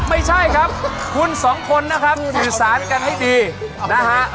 ไม่ใช่ครับคุณสองคนนะครับสื่อสารกันให้ดีนะฮะ